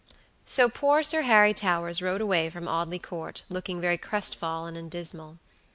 So poor Sir Harry Towers rode away from Audley Court, looking very crestfallen and dismal.